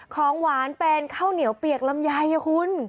ของหวานเป็นข้าวเหนียวเปียกลำไยค่ะคุณ